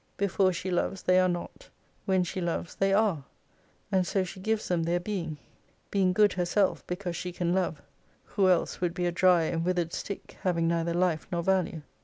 Before she loves they are not, when she loves they are. And so she gives them their being. Being Good herself because she can love : "Who else would be a dry and withered stick, having neither life nor value.